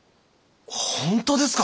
本当ですか？